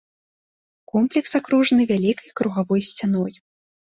Комплекс акружаны вялікай кругавой сцяной.